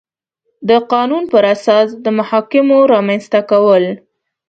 د قانون پر اساس د محاکمو رامنځ ته کول